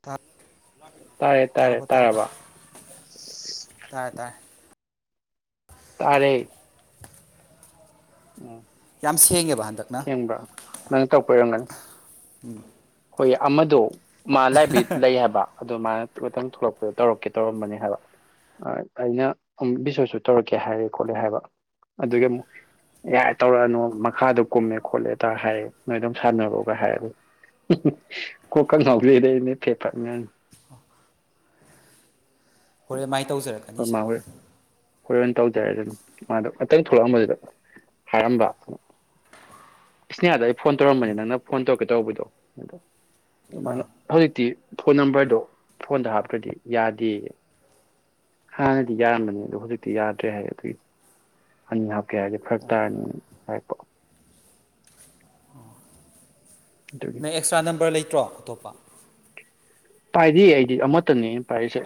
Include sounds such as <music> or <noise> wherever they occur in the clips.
ꯇꯥ ꯇꯥꯔꯦ ꯇꯥꯔꯦ ꯇꯥꯔꯕꯣ ꯇꯥꯔꯕꯣ ꯇꯥꯔꯕ ꯇꯥꯔꯦ ꯇꯥꯔꯦ ꯇꯥꯔꯦ ꯎꯝ ꯌꯥꯝ ꯁꯦꯡꯉꯦꯕ ꯍꯟꯗꯛꯅ ꯁꯦꯡꯕ꯭ꯔꯥ ꯅꯪ ꯇꯧꯔꯛꯄꯩ ꯑꯣꯏꯔꯝꯒꯅꯤ ꯎꯝ ꯑꯩꯏ ꯑꯃꯗꯣ ꯃꯥ ꯂꯥꯏꯕꯤꯠ ꯂꯩ ꯍꯥꯏꯕ ꯑꯗꯨ ꯃꯥꯏꯅ ꯇꯨꯔꯇꯪ ꯊꯣꯛꯂꯛꯄꯗ ꯇꯧꯔꯛꯀꯦ ꯇꯧꯔꯝꯕꯅꯤ ꯍꯥꯏꯕ ꯑ ꯑꯩꯅ ꯑꯝ ꯕꯤꯁꯣꯁꯨ ꯇꯧꯔꯛꯀꯦ ꯍꯥꯏꯔꯦ ꯈꯣꯠꯂꯦ ꯍꯥꯏꯕ ꯑꯗꯨꯒꯤ ꯑꯃꯨꯛ ꯌꯥꯔ ꯇꯧꯔꯛꯑꯅꯨ ꯃꯈꯥꯗꯣ ꯀꯨꯝꯃꯦ ꯈꯣꯠꯂꯦꯗ ꯍꯥꯏ ꯅꯣꯏ ꯑꯗꯨꯝ ꯁꯥꯟꯅꯔꯣꯒ ꯍꯥꯏꯔ ꯀꯣꯀ ꯀꯥ ꯉꯥꯎꯖꯤꯗ ꯐꯦ ꯐꯠꯅꯤ ꯍꯣꯔꯦ ꯃꯥꯏꯅ ꯇꯧꯖꯔꯛꯀꯅꯤ ꯁꯥ ꯍꯣꯔꯦꯟ ꯇꯧꯖꯔꯖꯅꯤ ꯃꯥꯗꯣ ꯑꯇꯩ ꯊꯣꯛꯂꯛꯑꯝꯕꯗꯨꯗ ꯊꯥꯔꯝꯕ ꯏꯁꯅꯤꯌꯥꯗ ꯑꯩ ꯐꯣꯟ ꯇꯧꯔꯝꯕꯅꯤ ꯅꯪꯅ ꯐꯣꯟ ꯇꯧꯔꯛꯀꯦ ꯇꯧꯕꯗꯣ ꯑꯗ ꯃꯅ ꯍꯧꯖꯤꯛꯇꯤ ꯐꯣꯟ ꯅꯝꯕꯔꯗꯣ ꯐꯣꯟꯗ ꯍꯥꯞꯇ꯭ꯔꯗꯤ ꯌꯥꯗꯦꯌꯦ ꯍꯥꯟꯅꯗꯤ ꯌꯥꯔꯝꯕꯅꯤ ꯑꯗꯣ ꯍꯧꯖꯤꯛꯇꯤ ꯌꯥꯗ꯭ꯔꯦ ꯍꯥꯏꯌꯦ ꯑꯗꯨꯒꯤ ꯑꯅꯤ ꯍꯥꯞꯀꯦ ꯍꯥꯏꯔꯗꯤ ꯐꯔꯛ ꯇꯥꯔꯅꯤ ꯍꯥꯏꯔꯄ ꯅꯪ ꯑꯦꯛꯁꯇ꯭ꯔꯥ ꯅꯝꯕꯔ ꯂꯩꯇ꯭ꯔꯣ ꯑꯇꯣꯞꯄ ꯄꯥꯏꯗꯦ ꯑꯩꯗꯤ ꯑꯃꯠꯇꯅꯦ ꯄꯥꯏꯔꯤꯁꯦ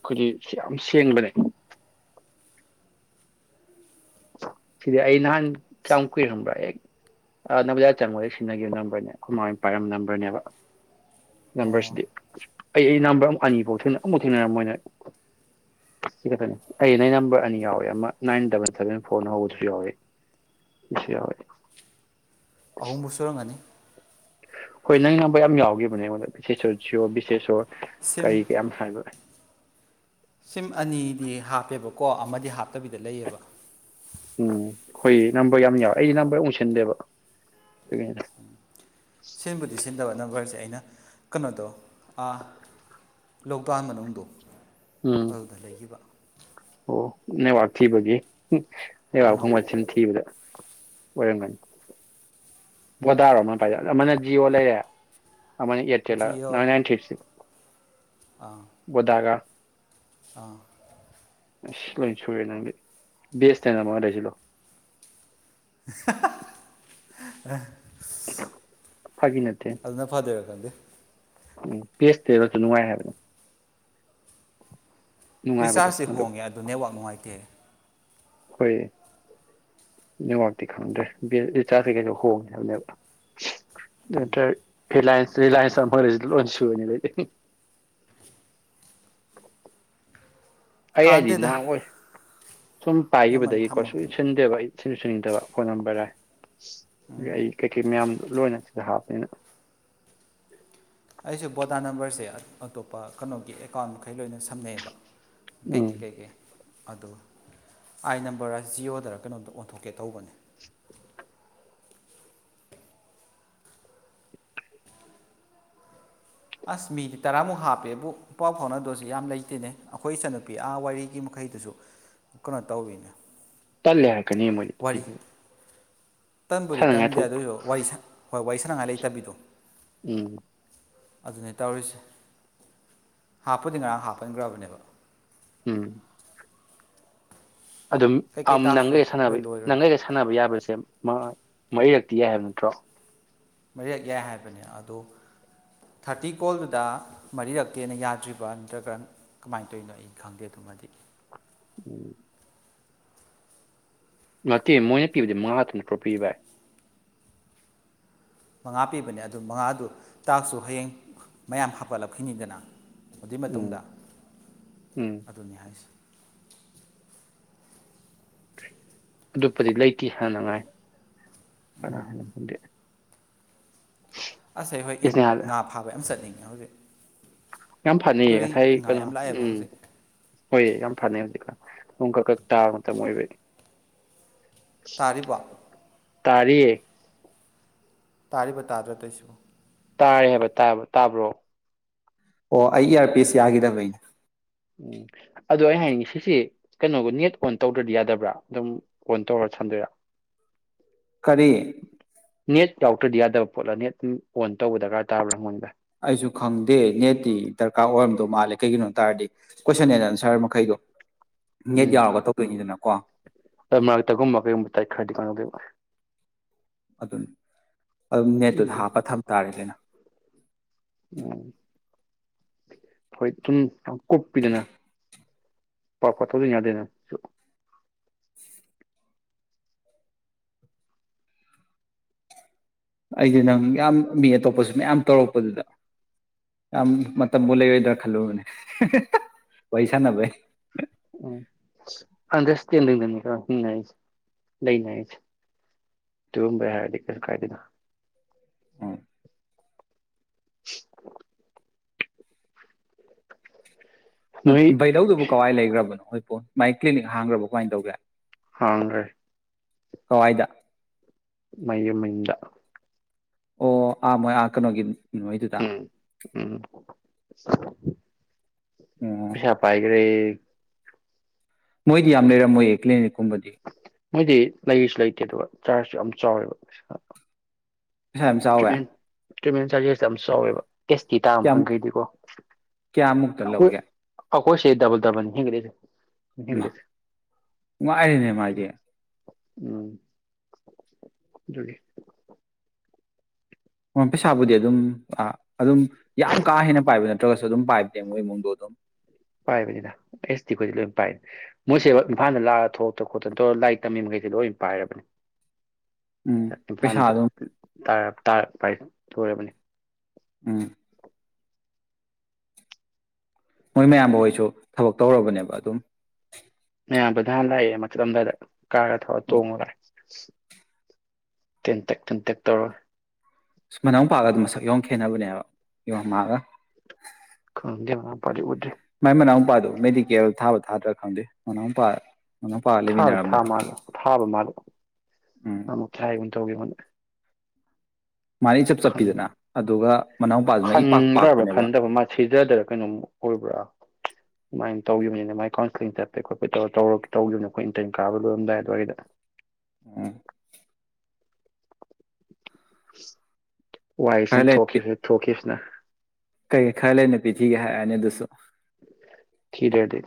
ꯑꯈꯣꯏꯗꯤ ꯌꯥꯝ ꯁꯦꯡꯕꯅꯦ ꯁꯤꯗꯤ ꯑꯩ ꯅꯍꯥꯟ ꯀꯌꯥꯝ ꯀꯨꯏꯔꯪꯕ꯭ꯔꯥ ꯑꯦ ꯅꯕꯖ ꯆꯥꯃꯗ ꯁꯤꯟꯅꯈꯤꯕ ꯅꯝꯕꯔꯅꯦ ꯑꯩꯈꯣꯏꯃ ꯄꯥꯏꯔꯝꯕ ꯅꯝꯕꯔꯅꯦꯕ ꯑꯣ ꯅꯝꯕꯔꯁꯤꯗꯤ ꯑꯩ ꯑꯩ ꯅꯝꯕꯔ ꯑꯃꯛ ꯑꯅꯤꯐꯥꯎ ꯑꯃꯐꯥꯎ ꯊꯦꯡꯅꯔꯝ ꯃꯣꯏꯅ ꯁꯤ ꯈꯛꯇꯅꯦ ꯑꯩ ꯅ ꯅꯝꯕꯔ ꯑꯅꯤ ꯌꯥꯎꯋꯦ ꯑꯃ ꯅꯥꯏꯟ ꯗꯕꯜ ꯁꯚꯦꯟ ꯐꯣꯔꯅ ꯍꯧꯕꯗꯨꯁꯨ ꯌꯥꯎꯏ ꯁꯤꯁꯨ ꯌꯥꯎꯏ ꯑꯍꯨꯝꯕꯨ ꯁꯨꯔꯝꯒꯅꯤ ꯍꯣꯏ ꯅꯪ ꯉꯥꯡꯕ ꯌꯥꯝ ꯌꯥꯎꯒꯤꯈꯤꯕꯅꯦ ꯑꯩꯉꯣꯟꯗ ꯕꯤꯁꯦꯁꯣꯔ ꯁꯤꯌꯣꯔ ꯕꯤꯁꯦꯁꯣꯔ ꯁꯤꯝ ꯀꯔꯤ ꯀꯌꯥꯝ ꯁꯥꯏꯕ ꯁꯤꯝ ꯑꯅꯤꯗꯤ ꯍꯥꯞꯄꯦꯕꯀꯣ ꯑꯃꯗꯤ ꯍꯥꯞꯇꯕꯤꯗ ꯂꯩꯌꯦꯕ ꯎꯝ ꯍꯣꯏ ꯅꯝꯕꯔ ꯌꯥꯝ ꯌꯥꯎꯋꯦ ꯑꯩꯗꯤ ꯅꯝꯕꯔ ꯑꯃ ꯁꯤꯟꯗꯦꯕ ꯑꯗꯨꯒꯤ ꯁꯤꯟꯕꯨꯗꯤ ꯁꯤꯟꯗꯕ ꯅꯝꯕꯔꯁꯦ ꯑꯩꯅ ꯀꯩꯅꯣꯗꯣ ꯂꯣꯛꯗꯥꯎꯟ ꯃꯅꯨꯡꯗ ꯎꯝ ꯑꯗꯨꯗ ꯂꯩꯈꯤꯕ ꯑꯣ ꯅꯦꯠꯋꯥꯛ ꯊꯤꯕꯒꯤ ꯅꯦꯠꯋꯥꯛ ꯐꯪꯕꯒꯤ ꯁꯨꯝ ꯊꯕꯗ ꯑꯣꯏꯔꯝꯒꯅꯤ ꯕꯣꯗꯥꯥꯔꯣ ꯑꯃꯅ ꯑꯃꯅ ꯖꯤꯑꯣ ꯂꯩꯔꯦ ꯑꯃꯅꯤ ꯑꯦꯔꯇꯦꯜꯂ ꯖꯤꯑꯣ ꯗꯕꯜ ꯅꯥꯏꯠ ꯕꯣꯗꯥꯒ ꯑꯥ ꯂꯣꯏ ꯁꯨꯔꯦ ꯅꯪꯒꯤ ꯕ ꯑꯦꯁ ꯑꯦꯟ ꯑꯦꯜ ꯑꯃꯒ ꯂꯩꯁꯤꯜꯂꯣ ꯍꯍꯥ ꯑ ꯐꯥꯒꯤ ꯅꯠꯇꯦ ꯑꯗꯨꯅ ꯐꯥꯗꯣꯏꯔ ꯈꯪꯗꯦ ꯎꯝ ꯕꯤ ꯑꯦꯁ ꯑꯦꯟ ꯑꯦꯜ‌ ꯁꯨ ꯅꯨꯡꯉꯥꯏ ꯍꯥꯏꯕꯅꯤ ꯔꯤꯆꯥꯔꯖꯇꯤ ꯍꯣꯡꯉꯦ ꯑꯗꯨ ꯅꯦꯠꯋꯥꯛ ꯅꯨꯡꯉꯥꯏꯇꯦ ꯍꯣꯏ ꯅꯦꯠꯋꯥꯛꯇꯤ ꯈꯪꯗ꯭ꯔꯦ ꯔꯤꯆꯥꯔꯖ ꯀꯩꯀꯩꯗꯤ ꯍꯣꯡꯉꯦ ꯍꯥꯏꯕꯅꯦꯕ ꯅꯠꯇ ꯔꯤꯂꯥꯏꯟꯁ ꯑꯃꯒ ꯂꯩꯁꯤꯜꯂꯣ ꯂꯣꯏ ꯁꯨꯔꯅꯤ ꯑꯗꯩ ꯑꯩ ꯍꯥꯏꯗꯤ ꯀꯥꯟꯗꯦꯗ ꯅꯍꯥꯟ ꯑꯣꯏ ꯁꯨꯝ ꯌꯥꯝꯃꯟ ꯄꯥꯏꯈꯤꯕꯗꯒꯤꯀꯣ ꯊꯝꯃꯒꯦ ꯁꯨꯛꯁꯤꯟ ꯁꯤꯟꯗꯦꯕ ꯑꯩ ꯁꯨꯛꯁꯤꯟ ꯁꯤꯟꯅꯤꯡꯗꯕ ꯐꯣꯟ ꯅꯝꯕꯔ ꯔꯥꯏ ꯑꯩ ꯀꯩꯀꯩ ꯃꯌꯥꯝ ꯂꯣꯏꯅꯁꯤꯗ ꯍꯥꯞꯄꯅꯤꯅ ꯑꯩꯁꯦ ꯕꯣꯗꯥ ꯅꯝꯕꯔꯁꯦ ꯑꯇꯣꯞꯄ ꯀꯩꯅꯣꯒꯤ ꯑꯦꯀꯥꯎꯟ ꯃꯈꯩ ꯂꯣꯏꯅ ꯁꯝꯅꯩꯑꯕ ꯦꯡꯀꯤ ꯎꯝ ꯀꯩꯀꯦ ꯑꯗꯣ ꯑꯩꯥꯏ ꯅꯝꯕꯔ ꯖꯤꯌꯑꯣꯗꯔ ꯀꯩꯅꯣꯝꯇ ꯑꯣꯟꯊꯣꯛꯀꯦ ꯇꯧꯕꯅꯤ <inaudible> ꯑꯁ ꯃꯤꯗꯤ ꯇꯔꯥꯃꯨꯛ ꯍꯥꯞꯄꯦꯕꯨ ꯏꯄꯥꯎ ꯐꯥꯎꯅꯗꯣꯏꯁꯨ ꯌꯥꯝ ꯂꯩꯇꯦꯅꯦ ꯑꯩꯈꯣꯏ ꯏꯆꯟꯅꯨꯄꯤ ꯑꯥ ꯋꯥꯔꯤꯒꯤ ꯃꯈꯩꯗꯨꯁꯨ ꯀꯩꯅꯣ ꯇꯧꯔꯤꯅꯦ ꯇꯜꯂꯦ ꯍꯥꯏꯔꯛꯀꯅꯤ ꯃꯣꯏꯅ ꯄꯤꯉ ꯇꯟꯕꯨꯗꯤ ꯇꯟꯗꯦ ꯑꯗꯨꯏꯁꯨ ꯋꯥꯏꯁ ꯍꯣꯏ ꯋꯥꯔꯤ ꯁꯅꯉꯥꯏ ꯂꯩꯇꯕꯤꯗꯣ ꯎꯝ ꯑꯗꯨꯅꯤ ꯇꯧꯔꯤꯁꯦ ꯍꯥꯞꯄꯨꯗꯤ ꯉꯔꯥꯡ ꯍꯥꯞꯄꯟꯒꯔꯕꯅꯦꯕ ꯎꯝ ꯑꯗꯨꯝ ꯀꯩꯀꯩ ꯑꯝ ꯇꯥꯛꯁ ꯅꯪꯒꯩꯒ ꯁꯥꯟꯅꯕꯤ ꯂꯣꯏ ꯅꯪꯒꯩ ꯂꯣꯏꯈ꯭ꯔꯕꯅꯤ ꯑꯩꯒ ꯁꯥꯟꯅꯕ ꯌꯥꯕꯔꯁꯦ ꯃ ꯃꯔꯤꯔꯛꯇꯤ ꯌꯥꯏ ꯍꯥꯏꯕ ꯅꯠꯇ꯭ꯔꯣ ꯃꯔꯤꯔꯛ ꯌꯥꯏ ꯍꯥꯏꯕꯅꯦ ꯑꯗꯣ ꯊꯥꯔꯇꯤ ꯀꯣꯜꯗꯨꯗ ꯃꯔꯤꯔꯛꯇꯦꯅ ꯌꯥꯗ꯭ꯔꯤꯕ꯭ꯔꯥ ꯅꯠꯇ꯭ꯔꯒ ꯀꯃꯥꯏꯅ ꯇꯧꯔꯤꯅꯣ ꯑꯩ ꯈꯪꯗꯦ ꯑꯗꯨꯃꯗꯤ ꯎꯝ ꯅꯠꯇꯦ ꯃꯣꯏꯅ ꯄꯤꯕꯗꯤ ꯃꯉꯥ ꯑꯗꯨꯝ ꯇ꯭ꯔꯣꯄꯤꯕ ꯚꯥꯏ ꯃꯉꯥ ꯄꯤꯕꯅꯦ ꯑꯗꯨ ꯃꯉꯥꯗꯨ ꯇꯥꯛꯁꯨ ꯍꯌꯦꯡ ꯃꯌꯥꯝ ꯍꯥꯞꯀꯠꯂꯞꯈꯤꯅꯤꯗꯅ ꯑꯗꯨꯏ ꯎꯝ ꯃꯇꯨꯡꯗ ꯎꯝ ꯑꯗꯨꯅꯤ ꯍꯥꯏꯁꯤ ꯑꯗꯨꯞꯄꯗꯤ ꯂꯩꯇꯦ ꯍꯥꯏꯅꯉꯥꯏ ꯀꯅꯥ ꯍꯥꯏꯅ ꯈꯪꯗꯦ ꯑꯁ ꯍꯩꯍꯣꯏ ꯏꯪ ꯏꯁꯅꯦꯍꯥ ꯉꯥ ꯐꯥꯕꯥ ꯌꯝ ꯆꯠꯅꯤꯡꯉꯤ ꯌꯥ ꯍꯧꯗꯦ ꯌꯥꯝ ꯐꯅꯩꯌꯦ ꯉꯁꯥꯏ ꯀꯩꯅꯣ ꯂꯥꯛꯑꯦꯕ ꯎꯝ ꯍꯧꯖꯤꯛ ꯍꯣꯏ ꯌꯥꯝ ꯐꯅꯩ ꯍꯧꯖꯤꯛꯀꯟ ꯅꯣꯡ ꯀꯛ ꯀꯛ ꯇꯥꯕ ꯃꯇꯝ ꯑꯣꯏꯕꯩ ꯇꯥꯔꯤꯕꯣ ꯇꯥꯔꯤꯌꯦ ꯇꯥꯔꯤꯕ ꯇꯥꯗ꯭ꯔꯥ ꯇꯩꯁꯤꯕꯣ ꯇꯥꯔꯦ ꯍꯥꯏꯕ ꯇꯥꯏꯕ ꯇꯥꯕ꯭ꯔꯣ ꯑꯣ ꯑꯩ ꯏꯌꯔ ꯄꯤꯁ ꯌꯥꯒꯤꯗꯕꯩꯅꯦ ꯎꯝ ꯑꯗꯣ ꯑꯩꯩꯅ ꯍꯥꯏꯅꯤꯡꯉꯤ ꯁꯤꯁꯤ ꯀꯩꯅꯣꯒ ꯅꯦꯠ ꯑꯣꯟ ꯇꯧꯗ꯭ꯔꯗꯤ ꯌꯥꯗꯕ꯭ꯔꯥ ꯑꯗꯨꯝ ꯑꯣꯟ ꯇꯧꯔ ꯁꯥꯟꯗꯣꯏꯔ ꯀꯔꯤ ꯅꯦꯠ ꯌꯥꯎꯇ꯭ꯔꯗꯤ ꯌꯥꯗꯕ ꯄꯣꯠꯂꯥ ꯅꯦꯠ ꯑꯣꯟ ꯇꯧꯕ ꯗꯔꯀꯥꯔ ꯇꯥꯕ꯭ꯔꯥ ꯍꯪꯕꯅꯤꯗ ꯑꯩꯁꯨ ꯈꯪꯗꯦ ꯅꯦꯠꯇꯤ ꯗꯔꯀꯥꯔ ꯑꯣꯏꯔꯝꯗꯣ ꯃꯥꯜꯂꯦ ꯀꯩꯒꯤꯅꯣ ꯍꯥꯏ ꯇꯥꯔꯗꯤ ꯀꯣꯏꯁꯟ‌ ꯑꯅ ꯑꯟꯁꯔ ꯃꯈꯩꯗꯣ ꯅꯦꯠ ꯌꯥꯎꯔꯒ ꯇꯧꯗꯣꯏꯅꯤꯗꯅꯀꯣ ꯎꯝ ꯑꯗꯨ ꯃꯔꯛꯇꯒꯨꯝꯕ ꯀꯩꯒꯨꯝꯕ ꯇꯠꯈꯔꯗꯤ ꯀꯥꯟꯇꯧꯗꯣꯏꯕ ꯑꯗꯨꯅꯤ ꯑꯗꯨꯝ ꯅꯦꯠꯇꯨꯗ ꯎꯝ ꯍꯥꯞꯄ ꯊꯝ ꯇꯥꯔꯦꯗꯅ ꯎ ꯎꯝ ꯍꯣꯏ ꯇꯨꯝ ꯀꯨꯄꯤꯗꯅ ꯄꯥꯄ ꯊꯧꯖꯟ ꯌꯥꯗꯦꯅ ꯑꯩꯗꯤ ꯅꯪ ꯌꯥꯝ ꯃꯤ ꯑꯇꯣꯞꯄꯁꯨ ꯃꯌꯥꯝ ꯇꯧꯔꯛꯄꯗꯨꯗ ꯌꯥꯝ ꯃꯇꯝꯕꯨ ꯂꯩꯔꯣꯏꯗ꯭ꯔꯥ ꯈꯜꯂꯨꯕꯅꯦ ꯋꯥꯔꯤ ꯁꯥꯟꯅꯕꯩ ꯎꯝ ꯑꯁ ꯑꯟꯗꯔꯁꯇꯦꯟꯗꯤꯡꯗꯅꯤꯀꯣ ꯍꯤꯡꯅꯩꯁꯦ ꯂꯩꯅꯔꯤꯁꯦ ꯇꯔꯨꯝꯕꯩ ꯍꯥꯏꯔꯗꯤ ꯀꯩꯁꯨ ꯀꯥꯏꯗꯦꯅ ꯅꯣꯏ ꯕꯩꯗꯧꯗꯨꯕꯨ ꯀꯋꯥꯏ ꯂꯩꯈ꯭ꯔꯕꯅꯣ ꯍꯣꯏ ꯄꯣꯟ ꯃꯥꯏ ꯀ꯭ꯂꯤꯅꯤꯛ ꯍꯥꯡꯈ꯭ꯔꯕꯣ ꯀꯃꯥꯏꯅ ꯇꯧꯒꯦ ꯍꯥꯡꯒꯔꯦ ꯀꯋꯥꯏꯗ ꯃꯌꯨꯝ‌ ꯃꯅꯤꯡꯗ ꯑꯣ ꯑ ꯃꯣꯏ ꯑ ꯀꯅꯣꯒꯤꯅꯤ ꯏꯃꯣꯏꯗꯨꯗ ꯎꯝ ꯎꯝ <unintelligible> ꯄꯩꯁꯥ ꯄꯥꯏꯒ꯭ꯔꯦ <unintelligible> ꯃꯣꯏꯗꯤ ꯌꯥꯝ ꯂꯩꯔꯝ ꯃꯣꯏꯌꯦ ꯀ꯭ꯂꯤꯅꯤꯛ ꯀꯨꯝꯕꯗꯤ ꯃꯣꯏꯗꯤ ꯂꯩꯁꯨ ꯂꯩꯇꯦ ꯗꯨꯒ ꯆ꯭ꯔꯖꯁꯨ ꯌꯥꯝ ꯆꯥꯎꯋꯦꯕ ꯄꯩꯁꯥ ꯄꯩꯁꯥ ꯌꯥꯝ ꯆꯥꯎꯋꯦ? ꯇ꯭ꯔꯤꯠꯃꯦꯟ ꯆꯥꯔꯖꯦꯁꯇꯥ ꯌꯥꯝ ꯆꯥꯎꯋꯦꯕ ꯑꯦꯁ ꯇꯤ ꯇꯕ ꯀꯌꯥꯝ ꯈꯪꯈꯩꯗꯤꯀꯣ ꯀꯌꯥꯃꯨꯛꯇ ꯑꯈꯣꯏ ꯂꯧꯒꯦ ꯑꯈꯣꯏꯁꯦ ꯗꯥꯕꯜ ꯗꯥꯕꯟ ꯍꯦꯟꯒꯠꯂꯤꯁꯦ ꯏꯃꯥ ꯍꯦꯟꯒꯠꯂꯤꯁꯦ ꯉꯥꯏꯔꯦꯅꯦ ꯃꯥꯥꯏꯗꯤ ꯎꯝ ꯑꯗꯨꯗꯤ ꯃꫭꯟ ꯄꯩꯁꯥꯕꯨꯗꯤ ꯑꯗꯨꯝ ꯑꯥ ꯑꯗꯨꯝ ꯌꯥꯝ ꯀꯥ ꯍꯦꯟꯅ ꯄꯥꯏꯕ ꯅꯠꯇ꯭ꯔꯒꯁꯨ ꯑꯗꯨꯝ ꯄꯥꯏꯕꯅꯦ ꯃꯣꯏ ꯏꯃꯨꯡꯗꯣ ꯑꯗꯨꯝ ꯄꯥꯏꯕꯅꯤꯗ ꯑꯦꯁ ꯇꯤ ꯈꯣꯏꯗꯤ ꯂꯣꯏ ꯄꯥꯏ꯫ ꯃꯣꯏꯁꯦ ꯏꯝꯐꯥꯜꯗ ꯂꯥꯛꯑ ꯊꯣꯛꯇ ꯈꯣꯠꯇꯅ ꯇꯧꯔꯒ ꯂꯥꯏꯔꯤꯛ ꯇꯝꯃꯤ ꯃꯈꯩꯁꯦ ꯂꯣꯏ ꯄꯥꯏꯔꯕꯅꯤ꯫ ꯎꯝ <unintelligible> ꯄꯩꯁꯥ ꯏꯝꯐꯥꯟꯗ ꯑꯗꯨꯝ <unintelligible> ꯇꯥꯔꯞ ꯇꯥꯥꯔꯞ ꯚꯥꯏ ꯇꯣꯏꯔꯕꯅꯤ ꯎꯝ ꯃꯣꯏ ꯃꯌꯥꯝꯕ ꯍꫭꯏꯁꯨ ꯊꯕꯛ ꯇꯧꯔꯕꯅꯦꯕ ꯑꯗꯨꯝ ꯃꯌꯥꯝꯕꯗꯥ ꯍꯟꯅꯥ ꯂꯛꯑꯦ ꯃꯥ ꯆꯠꯂꯝ ꯗꯏꯗꯥ꯫ ꯀꯥꯔ ꯔꯥ ꯊꯧꯔ ꯑꯣ ꯇꯣꯡꯉ ꯂꯛꯑꯦ <unintelligible> ꯇꯦꯟꯇꯛ ꯇꯦꯟꯇꯛ ꯇꯧꯔ ꯑꯁ ꯃꯅꯥꯎꯅꯨꯄꯥꯒꯗꯨ ꯃꯁꯛ ꯌꯥꯝ ꯈꯦꯠꯅꯕꯅꯦ ꯍꯥꯏꯕ ꯌꯝ ꯃꯥꯒ꯫ ꯈꯪꯗꯦ ꯃꯅꯥꯎ ꯅꯨꯄꯥꯗꯤ ꯎꯗ꯭ꯔꯦ ꯃꯥꯏ ꯃꯅꯥꯎ ꯅꯨꯄꯥꯗꯨꯣ ꯃꯦꯗꯤꯀꯦꯜ ꯊꯥꯕ ꯊꯥꯗ꯭ꯔꯥ ꯈꯪꯗꯦ ꯃꯅꯥꯎꯄꯥ ꯃꯅꯥꯎꯄꯥꯒ ꯊꯥꯗꯤ ꯊꯥ ꯂꯩꯃꯤꯟꯅꯔꯝꯕꯅꯦ ꯃꯥꯜꯂꯦ ꯊꯥꯕ ꯃꯥꯜꯂꯦꯀꯣ ꯎꯝ <unintelligible> ꯇꯧꯒꯦ <unintelligible> ꯃꯥꯅ ꯏꯆꯞ ꯈꯟ ꯆꯞꯄꯤꯗꯅ ꯑꯗꯨꯒ ꯃꯅꯥꯎꯄꯥꯗꯨꯅ ꯏꯄꯥꯛ ꯈꯟꯈ꯭ꯔꯕ꯭ꯔ ꯄꯥꯛꯄꯅꯦꯕ ꯈꯟꯗ꯭ꯔꯕ꯭ꯔ ꯃꯥ ꯁꯤꯖꯥ ꯗꯔꯥ ꯀꯩꯅꯣꯝ ꯑꯣꯏꯕ꯭ꯔ ꯗꯨꯃꯥꯏꯅ ꯇꯧꯈꯤꯕꯅꯤꯅꯦ ꯃꯥꯏ ꯀꯥꯎꯟꯁꯤꯂꯤꯡ ꯆꯠꯄꯩ ꯈꯣꯠꯄꯩ ꯇꯧꯔ ꯇꯧꯔ ꯇꯧꯈꯤꯕꯅ ꯑꯩꯈꯣꯏ ꯏꯟꯇꯔꯟ ꯀꯥꯕ ꯂꯣꯏꯔꯝꯗꯥꯏ ꯑꯗꯨꯋꯥꯏꯗ ꯎꯝ <unintelligible> ꯈꯔ ꯋꯥꯏꯁꯤꯅ ꯂꯩ ꯊꯣꯛꯈꯤꯕ ꯊꯣꯛꯈꯤꯕꯁꯤꯅ꯫ <unintelligible> ꯈꯔ ꯂꯩꯔ ꯅꯨꯄꯤ ꯊꯤꯒꯦ ꯍꯥꯏꯔꯛ ꯑꯅꯤ ꯑꯗꯨꯁꯨ꯫ ꯊꯤꯗ꯭ꯔꯗꯤ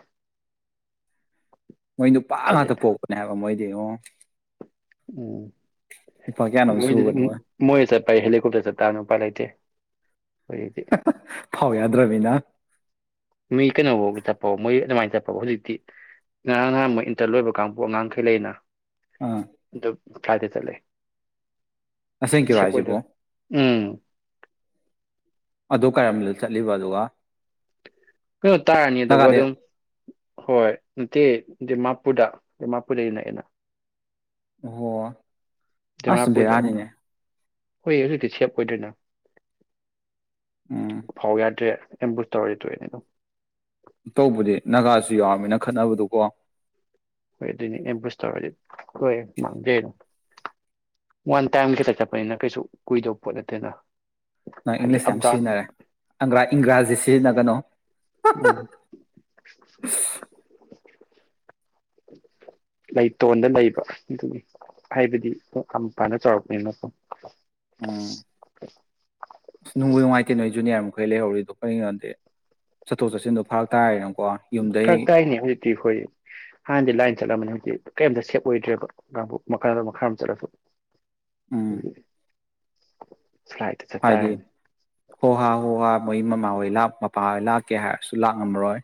ꯃꯣꯏ ꯅꯨꯄꯥ ꯆꯠꯂꯦ ꯉꯥꯛꯇ ꯄꯣꯛꯄꯅꯦ ꯍꯥꯏꯕ ꯃꯣꯏ ꯌꯦꯡꯉꯣ ꯎꯝ ꯅꯨꯄꯥ ꯀꯌꯥꯅꯣꯝ ꯃꯣꯏꯗꯗꯤ ꯁꯨꯕꯅꯣ ꯏꯝ ꯃꯣꯏ ꯆꯠ ꯑꯩ ꯍꯦꯂꯤꯀꯣꯞꯇꯔ ꯆꯠ ꯇꯥꯕꯅꯤ ꯎꯄꯥꯏꯂꯩꯇꯦ ꯐꯥꯎ ꯌꯥꯗ꯭ꯔꯃꯤꯅ ꯍꯩ ꯍꯧꯖꯤꯛꯇꯤ ꯉꯔꯥꯡ ꯅꯍꯥꯟ ꯃꫭꯏ ꯏꯟꯇꯔꯟ ꯂꯣꯏꯕ ꯀꯥꯡꯕꯨ ꯑꯉꯥꯡꯈꯩ ꯂꯩꯅ ꯑꯥ ꯃꯈꯥꯗ ꯆꯠꯂꯦ ꯑꯁꯦꯡꯀꯤꯔꯣ ꯁꯦꯐ ꯑꯣꯏꯗ ꯍꯥꯏꯁꯤꯕꯣ ꯎꯝ ꯑꯗꯨ ꯀꯔꯝꯗ ꯆꯠꯂꯤꯕ ꯑꯗꯨꯒ ꯀꯩꯅꯣ ꯇꯥꯔꯅꯤ ꯑꯗꯨꯒ ꯅꯥꯒꯥꯂꯦꯟ ꯑꯗꯨꯝ ꯍꯣꯏ ꯅꯦ ꯗꯤꯃꯥꯄꯨꯔꯗ ꯗꯤꯃꯥꯄꯨꯔꯗꯅꯦ ꯅꯛꯑꯦꯅ ꯑꯣ ꯑꯁ ꯗꯤꯃꯥꯄꯨꯔꯗ ꯕꯦꯔꯥꯅꯤꯍꯦ ꯍꯣꯏ ꯍꯧꯖꯤꯛꯇꯤ ꯁꯦꯞ ꯑꯣꯏꯗ꯭ꯔꯦꯅ ꯎꯝ ꯐꯥꯎ ꯌꯥꯗ꯭ꯔꯦ ꯑꯦꯝꯕꯨꯁ ꯇꯧꯋꯥꯔꯤ ꯇꯣꯛ ꯑꯅꯦ ꯗꯨꯝ ꯇꯧꯕꯗꯤ ꯅꯥꯒꯥꯁꯨ ꯌꯥꯎꯔꯕꯝꯃꯤꯅ ꯈꯠꯅꯕꯗꯨꯀꯣ ꯍꯣꯏ ꯑꯗꯨꯏꯅꯦ ꯑꯦꯝ ꯕꯨꯁ ꯇꯧꯔꯗꯤ ꯍꯣꯏ ꯃꯥꯡꯖꯩ ꯋꯥꯟ ꯇꯥꯏꯝ ꯈꯤꯇ ꯆꯠꯄꯅꯤꯅ ꯀꯩꯁꯨ ꯀꯨꯏꯗꯧꯕ ꯄꯣꯠ ꯅꯠꯇꯦꯅ ꯅꯪ ꯍꯥꯏꯗꯤ ꯏꯪꯂꯤꯁ ꯑꯞ ꯌꯥꯝ ꯗꯥꯎꯟ ꯁꯤꯖꯤꯟꯅꯔꯦ ꯏꯪꯒꯥꯔꯖꯤꯁꯦ ꯁꯤꯖꯤꯟꯅꯒꯅꯣ ꯎꯝ ꯂꯩꯇꯣꯟꯗ ꯂꯩꯕ ꯑꯗꯨꯒꯤ ꯍꯥꯏꯕꯗꯤ ꯌꯥꯝꯄꯥꯅ ꯆꯥꯎꯔꯛꯄꯅꯦꯅꯀꯣ ꯎꯝ ꯅꯨꯡꯕꯨ ꯅꯨꯡꯉꯥꯏꯇꯦ ꯅꯣꯏ ꯖꯨꯅꯤꯌꯥꯔ ꯃꯈꯩ ꯂꯩꯍꯧꯔꯤꯗꯣ ꯀꯔꯤꯒꯤꯅꯣꯗꯗꯤ ꯆꯠꯊꯣꯛ ꯆꯠꯁꯤꯟꯗꯣ ꯐꯔꯛ ꯇꯥꯔꯦꯅ ꯐꯔꯛꯇꯥꯏꯅꯦ ꯍꯧꯖꯤꯛꯇꯤ ꯍꯣꯏ ꯍꯥꯟꯅꯗꯤ ꯂꯥꯏꯟ ꯆꯠꯂꯝꯃꯅꯤ ꯍꯧꯖꯤꯛ ꯀꯔꯤꯝꯇ ꯁꯦꯞ ꯑꯣꯏꯗ꯭ꯔꯦꯕ ꯀꯥꯡꯕꯨ ꯃꯈꯜ ꯃꯈꯥ ꯑꯃ ꯆꯠꯂꯁꯨ ꯎꯝ ꯐ꯭ꯂꯥꯏꯠꯇ ꯍꯥꯏꯗꯤ ꯆꯠꯇꯥꯔꯦꯅꯦ ꯍꯣꯍꯥ ꯍꯣꯍꯥ ꯃꯣꯏ ꯃꯃꯥꯍꯣꯏ ꯃꯄꯥꯍꯣꯏ ꯂꯥꯛꯀꯦ ꯍꯥꯏꯔꯁꯨ ꯂꯥꯛꯂꯝ ꯉꯝꯃꯔꯣꯏ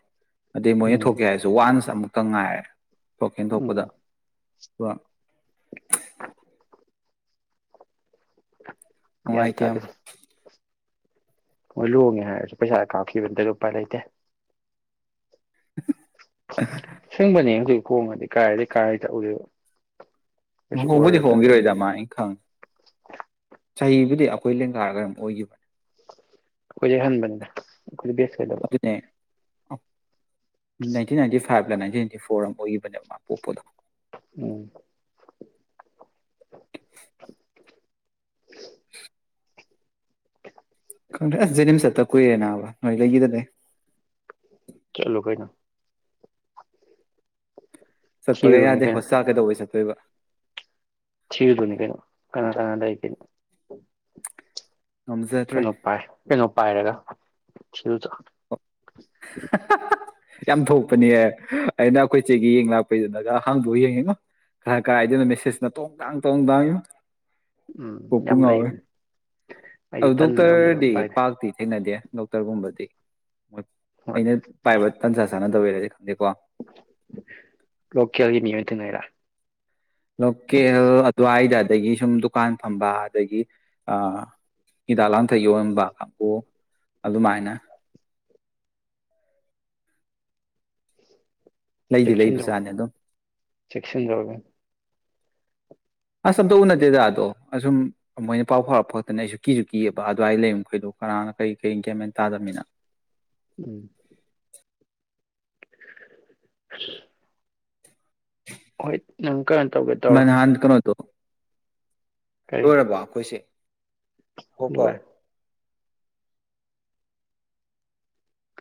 ꯑꯗꯩ ꯃꯣꯏꯅ ꯎꯝ ꯊꯣꯛꯀꯦ ꯍꯥꯏꯔꯁꯨ ꯋꯥꯟꯁ ꯑꯃꯨꯛ ꯀꯉꯥꯏ ꯇꯣꯛ ꯎꯝ ꯍꯦꯟꯗꯣꯛꯄꯗ ꯋꯥ ꯒꯌꯥꯟ ꯅꯨꯡꯉꯥꯏꯇꯦ ꯌꯥꯝ ꯇꯗꯦꯁꯦ ꯍꯣꯏ ꯂꯨꯍꯣꯡꯉꯦ ꯍꯥꯏꯔꯁꯨ ꯄꯩꯁꯥ ꯀꯥꯞꯈꯤꯕꯗ ꯎꯄꯥꯏ ꯂꯩꯇꯦ ꯑꯁꯦꯡꯕꯅꯦ ꯍꯣꯡꯉꯥꯗꯤ ꯀꯥꯏ ꯀꯥꯏ ꯇꯛ ꯎꯗꯣꯏꯕ ꯂꯨꯍꯣꯡꯕꯨꯗꯤ ꯍꯣꯡꯈꯤꯔꯣꯏꯗ ꯃ ꯑꯩ ꯈꯪꯉꯤ ꯆꯍꯤꯕꯨꯗꯤ ꯑꯩꯈꯣꯏ ꯂꯦꯡꯒꯥꯔꯒ ꯀꯩꯅꯣꯝ ꯑꯣꯏꯈꯤꯕꯅꯤ ꯑꯈꯣꯏ <inaudible> ꯑꯗꯨꯅꯦ ꯅꯥꯏꯟꯇꯤ ꯅꯥꯏꯟꯇꯤꯐꯣꯔ ꯐꯥꯏꯚꯂ ꯅꯥꯏꯟꯇꯤꯟ ꯅꯥꯏꯇꯤ ꯐꯣꯔ ꯑꯃ ꯑꯣꯏꯒꯤꯕꯅꯦꯕ ꯃꯥ ꯄꯣꯛꯄꯗꯣ ꯎꯝ <inaudible> <inaudible> ꯀꯈꯪꯗꯔ꯭ꯦ ꯖꯅꯤꯝꯁꯆꯠꯇ ꯀꯨꯏꯔꯦ ꯅꯥꯕ ꯅꯣꯏ ꯂꯩꯈꯤꯗꯅꯦ ꯆꯠꯂꯣ ꯀꯥꯩꯅꯣ ꯁꯠꯄꯒ ꯊꯤꯔꯨꯗꯣꯏꯅꯤ ꯌꯥꯗꯦ ꯀꯩꯅꯣ ꯍꯣꯁ ꯁꯥꯀꯗꯧꯕꯩ ꯁꯦ ꯁꯕ ꯊꯤꯔꯨ ꯇꯣꯅꯤ ꯀꯩꯅꯣ ꯀꯥꯅꯥ ꯀꯅꯥ ꯂꯩ ꯗ ꯉꯝꯖꯗ꯭ꯔꯦ ꯀꯩꯅꯣ ꯄꯥꯏ ꯀꯩꯅꯣ ꯄꯥꯏꯔꯒ ꯆ ꯗ ꯌꯥꯝ ꯊꯣꯛꯄꯅꯦ ꯑꯩꯅ ꯑꯩꯈꯣꯏꯆꯦꯒꯤ ꯌꯦꯡ ꯂꯥꯛꯄꯩꯗꯨꯅꯒ ꯍꯥꯡꯗꯣꯛ ꯑ ꯌꯦꯡꯉꯤꯅꯣ ꯈꯔ ꯀꯥꯔꯥꯏꯗꯩꯅꯣ ꯃꯦꯁꯦꯁꯅ ꯇꯣꯡ ꯇꯥꯡ ꯇꯣꯡ ꯇꯥꯡꯣ ꯎꯝ ꯀꯣꯛ ꯄꯨ ꯌꯥꯝ ꯉꯥꯎꯋꯦ ꯂꯩꯕꯅꯤ ꯑꯩꯗꯤ ꯑꯗꯨ ꯇꯟꯗꯅ ꯑꯗꯨꯝꯕꯗꯣ ꯗꯣꯛꯇꯔꯗꯤ ꯑꯗꯨꯝ ꯄꯥꯏꯗꯦ ꯄꯥꯛꯇꯤ ꯊꯦꯡꯅꯗꯦ ꯗꯣꯛꯇꯔꯒꯨꯝꯕꯗꯤ ꯃꯣꯏ ꯑꯩꯅ ꯍꯣꯏ ꯄꯥꯏꯕ ꯇꯟꯖꯥ ꯆꯥꯅꯗꯕꯩꯔꯗꯤ ꯈꯪꯗꯦꯀꯣ ꯂꯣꯀꯦꯜꯒꯤ ꯃꯤ ꯑꯣꯏꯅ ꯊꯦꯡꯅꯩꯔꯥ ꯂꯣꯀꯦꯜ ꯑꯗꯨꯋꯥꯏꯗ ꯑꯗꯒꯤ ꯁꯨꯝ ꯗꯨꯀꯥꯟ ꯐꯝꯕ ꯑꯗꯒꯤ ꯍꯤꯗꯥꯛ ꯂꯥꯡꯊꯛ ꯌꯣꯟꯕ ꯀꯥꯡꯕꯨ ꯑꯗꯨꯃꯥꯏꯅ ꯂꯩꯗꯤ ꯆꯦꯛꯁꯤꯟꯗꯔꯣ ꯂꯩꯕꯖꯥꯠꯅꯤ ꯑꯗꯨꯝ ꯆꯦꯛꯁꯤꯟꯗꯔꯣꯒ ꯑꯁ ꯑꯝꯇ ꯎꯅꯗꯦꯗ ꯑꯗꯣ ꯑꯁꯨꯝ ꯃꯣꯏꯅ ꯄꯥꯎ ꯐꯥꯎꯔꯛꯄ ꯈꯛꯇꯅꯦ ꯑꯩꯁꯨ ꯀꯤꯁꯨ ꯀꯤꯑꯕ ꯑꯗꯨꯋꯥꯏ ꯂꯩꯔ ꯃꯈꯩꯗꯣ ꯀꯅꯥꯅ ꯀꯔꯤ ꯀꯔꯤ ꯒꯋꯥꯟꯃꯦꯟ ꯇꯥꯗꯝꯃꯤꯅ ꯎꯝ <inaudible> <inaudible> ꯍꯣꯏ ꯅꯪ ꯀꯩꯅꯣ ꯇꯧꯒꯦ ꯇꯧꯔꯣ ꯇꯣ ꯀꯔꯤ ꯂꯣꯏꯔꯕꯣ ꯑꯩꯈꯣꯏꯁꯦ ꯍꯣꯀ ꯂꯣꯏꯔꯦ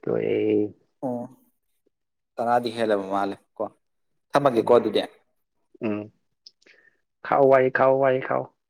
ꯂꯣꯏꯔꯦ ꯑꯣ ꯇꯔꯥꯗꯤ ꯍꯦꯜꯂꯕ ꯃꯥꯜꯂꯦ ꯀꯣ ꯊꯝꯃꯒꯦꯀꯣ ꯎꯝ ꯑꯗꯨꯗꯤ ꯈꯥꯎ ꯋꯥꯍꯤ ꯈꯥꯎ ꯋꯥꯍꯤ ꯈꯥꯎ